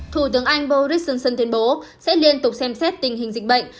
thủ tướng anh boris johnson tuyên bố sẽ liên tục xem xét tình hình dịch bệnh